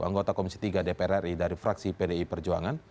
anggota komisi tiga dpr ri dari fraksi pdi perjuangan